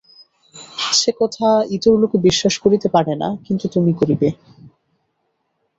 সে কথা ইতর লোকে বিশ্বাস করিতে পারে না, কিন্তু তুমি করিবে।